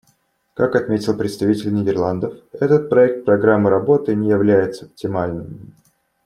Как отметил представитель Нидерландов, этот проект программы работы не является оптимальным.